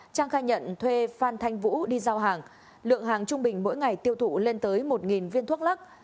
trang khai nhận thuê phan thanh vũ đi giao hàng lượng hàng trung bình mỗi ngày tiêu thụ lên tới một viên thuốc lắc